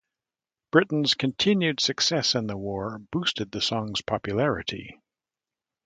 Britain's continued success in the war boosted the song's popularity.